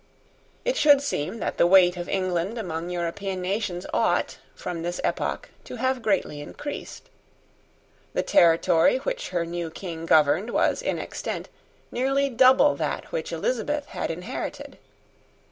It should seem that the weight of England among European nations ought, from this epoch, to have greatly increased. The territory which her new King governed was, in extent, nearly double that which Elizabeth had inherited.